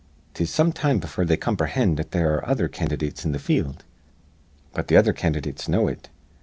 "'Tis some time befure they comprehind that there ar re other candydates in th' field. But th' other candydates know it.